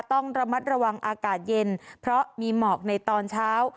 ต้องระมัดระวังอากาศเย็นเพราะมีหมอกในตอนเช้า